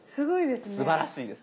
すばらしいです。